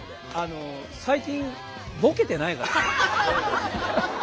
最近ボケてないから。